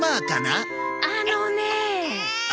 あのねえ！